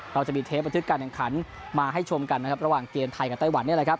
เราจะมีเทปบันทึกการแข่งขันมาให้ชมกันนะครับระหว่างเกมไทยกับไต้หวันนี่แหละครับ